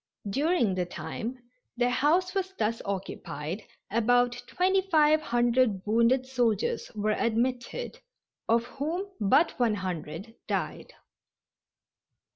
During the time their house was thus occupied about twenty five hundred wounded soldiers were admitted, of whom but one hundred died.